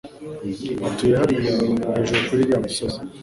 Atuye hariya, hejuru kuri uriya musozi.